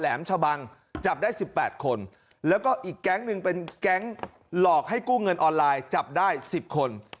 หลามชบังจับได้๑๘คนแล้วก็อีกแก๊งเป็นแก๊งหลอกให้กู้เงินออนไลน์จับได้๑๐ออร์ไลน์จับได้๑๐คน